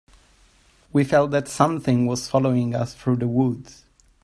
We felt that something was following us through the woods.